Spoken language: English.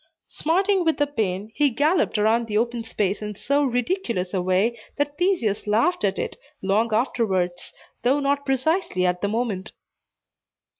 Smarting with the pain, he galloped around the open space in so ridiculous a way that Theseus laughed at it, long afterwards, though not precisely at the moment.